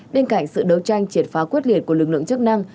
bên cạnh sự đấu tranh triệt phá quyết liệt của lực lượng chức năng